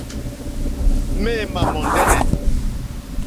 Méǃémà mòndɛ́nɛ̀.